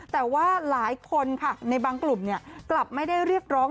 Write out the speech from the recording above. แต่ว่าหลายคนค่ะในบางกลุ่มกลับไม่ได้เรียกร้อง